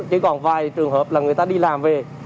chứ còn vài trường hợp là người ta đi làm về